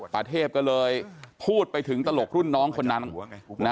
ประเทศก็เลยพูดไปถึงตลกรุ่นน้องคนนั้นนะ